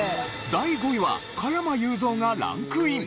第５位は加山雄三がランクイン。